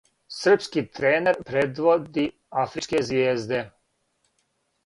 Српски тренер предводи афричке "Звијезде"